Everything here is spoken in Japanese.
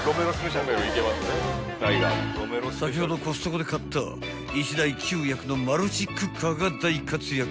［先ほどコストコで買った１台９役のマルチクッカーが大活躍］